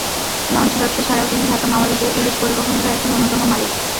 Launch ব্যবসা ছাড়াও তিনি ঢাকা-মাওয়া রুটে ইলিশ পরিবহনেরও একজন অন্যতম মালিক।